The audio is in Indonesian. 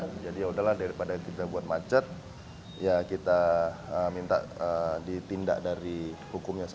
nah jadi yauda lah daripada kita buat macet ya kita minta ditindak dari hukumnya saja